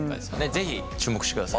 是非注目してください。